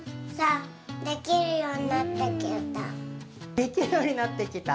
できるようになってきた。